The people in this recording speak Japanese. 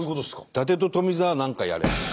「伊達と富澤なんかやれ！」と。